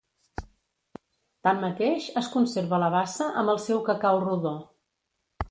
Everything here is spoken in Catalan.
Tanmateix, es conserva la bassa amb el seu cacau rodó.